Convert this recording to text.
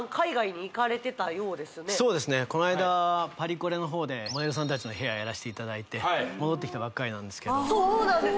この間パリコレのほうでモデルさんたちのヘアやらせていただいて戻ってきたばっかりなんですけどそうなんです